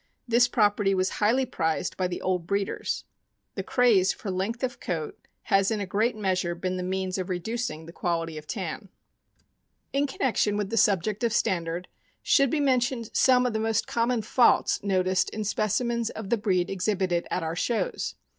This property was highly prized by the old breeders. The craze for length of coat has in a great measure been the means of reducing the quality of tan. 452 THE AMERICAN BOOK OF THE DOG. In connection with the subject of standard, should be mentioned some of the most common faults noticed in speci mens of the breed exhibited at our shows.